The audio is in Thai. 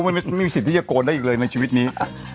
ไม่มีสิทธิ์ที่จะโกนได้อีกเลยในชีวิตนี้